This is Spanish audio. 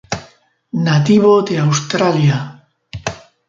Nativo de Australia.